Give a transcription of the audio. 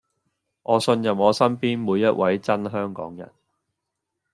我信任我身邊每一位真香港人